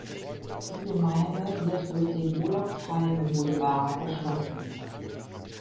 Die Gemeinde wird durch den Olof-Palme-Boulevard erschlossen.